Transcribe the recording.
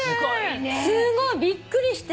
すごいびっくりして。